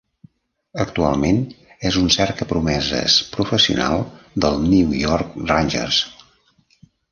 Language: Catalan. Actualment és un cercapromeses professional dels New York Rangers.